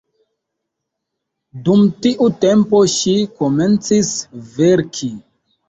Dum tiu tempo ŝi komencis verki.